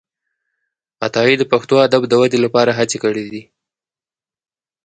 عطايي د پښتو ادب د ودې لپاره هڅي کړي دي.